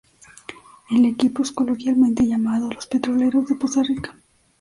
El equipo es coloquialmente llamado los "Petroleros de Poza Rica".